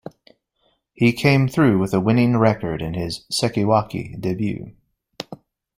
He came through with a winning record in his "sekiwake" debut.